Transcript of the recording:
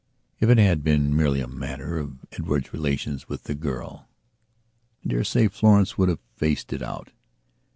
If it had been merely a matter of Edward's relations with the girl I dare say Florence would have faced it out.